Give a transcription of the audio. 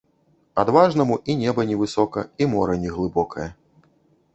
Адважнаму і неба невысока, і мора неглыбокае.